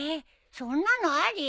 そんなのあり？